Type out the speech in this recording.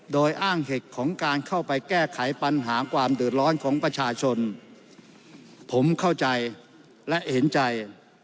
โดยอ้างเหตุของการเข้าไปแก้ไขปัญหาความเดือดร้อนของประชาชนผมเข้าใจและเห็นใจ